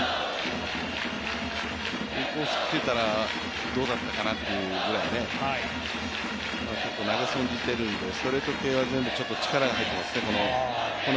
インコース来てたら、どうだったかなというくらいで、ちょっと投げ損じているんで、ストレート系が力が入ってますね。